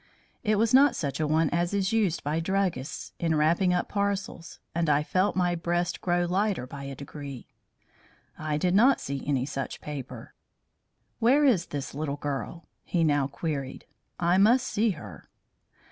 It was not such a one as is used by druggists in wrapping up parcels, and I felt my breast grow lighter by a degree. "I did not see any such paper." "Where is the little girl?" he now queried. "I must see her."